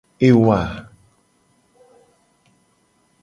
Ewa.